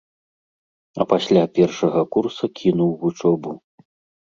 А пасля першага курса кінуў вучобу.